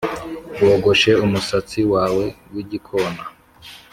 bogoshe umusatsi wawe w'igikona